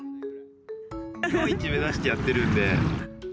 日本一目指してやってるんで。